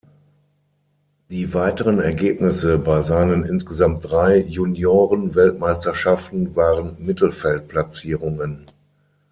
Die weiteren Ergebnisse bei seinen insgesamt drei Junioren-Weltmeisterschaften waren Mittelfeldplatzierungen.